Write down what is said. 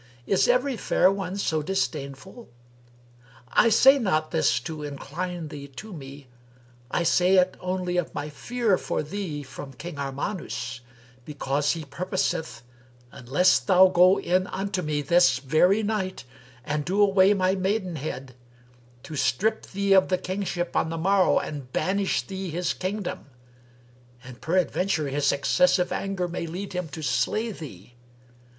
Is every fair one so disdainful? I say not this to incline thee to me; I say it only of my fear for thee from King Armanus; because he purposeth, unless thou go in unto me this very night, and do away my maidenhead, to strip thee of the kingship on the morrow and banish thee his kingdom; and peradventure his excessive anger may lead him to slay thee.